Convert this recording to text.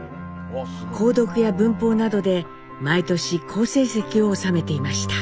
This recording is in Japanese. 講読や文法などで毎年好成績を収めていました。